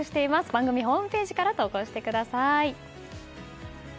番組ホームページから投稿してください。